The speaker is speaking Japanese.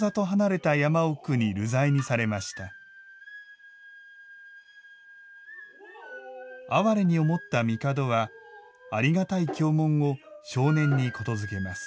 哀れに思った帝はありがたい経文を少年にことづけます。